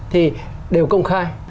thì đều công khai